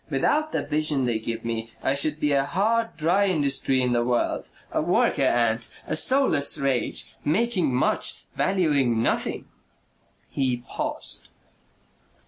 Without the vision they give me, I should be a hard dry industry in the world, a worker ant, a soulless rage, making much, valuing nothing." He paused.